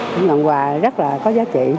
cũng là quà rất là có giá trị